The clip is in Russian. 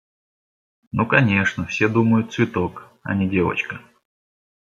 Ну конечно, все думают – цветок, а не девочка.